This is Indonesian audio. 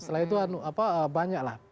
setelah itu banyak lah